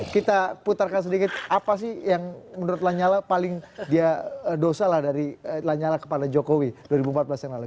kita putarkan sedikit apa sih yang menurut lanyala paling dia dosa lah dari lanyala kepada jokowi dua ribu empat belas yang lalu